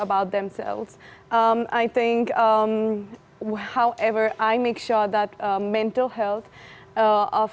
namun saya memastikan bahwa kesehatan mental saya